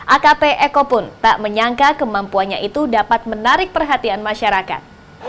akp eko pun tak menyangka kemampuannya itu dapat menarik perhatian masyarakat